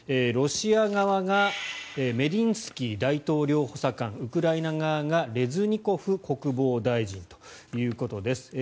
ロシア側がメディンスキー大統領補佐官ウクライナ側がレズニコフ国防大臣ということです。